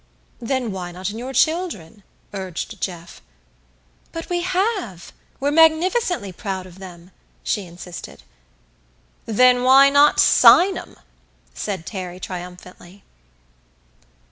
"Then why not in your children?" urged Jeff. "But we have! We're magnificently proud of them," she insisted. "Then why not sign 'em?" said Terry triumphantly.